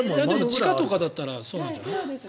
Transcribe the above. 地下とかだったらそうなんじゃない？